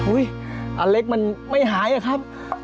อุ๊ยอันเล็กมันไม่หายครับ